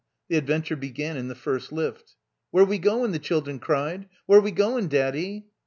The adventure began in the first lift. Where we 'goin'?" the children cried. "Where we goin', Daddy?"